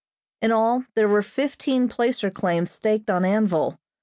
In all there were fifteen placer claims staked on Anvil.